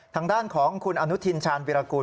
ทางด้านของคุณอนุทินชาญวิรากูล